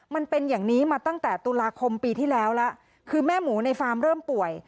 มันเป็นอย่างนี้มาตั้งแต่ตุลาคมปีที่แล้วแล้วคือแม่หมูในฟาร์มเริ่มป่วย